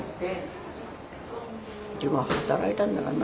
でも働いたんだからな。